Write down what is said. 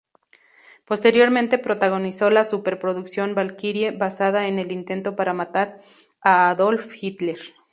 Posteriormente protagonizó la superproducción "Valkyrie", basada en el intento para matar a Adolf Hitler.